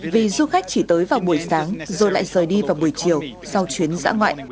vì du khách chỉ tới vào buổi sáng rồi lại rời đi vào buổi chiều sau chuyến dã ngoại